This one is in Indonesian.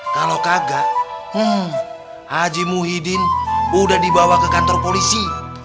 kalau kagak haji muhyiddin udah dibawa ke kantor polisi